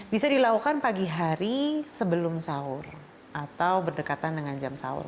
bisa dilakukan pagi hari sebelum sahur atau berdekatan dengan jam sahur